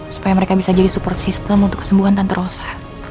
supaya mereka bisa jadi support system untuk kesembuhan tanpa rosa